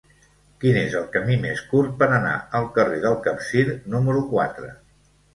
Quin és el camí més curt per anar al carrer del Capcir número quatre?